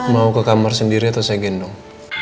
mau ke kamar sendiri atau saya gendong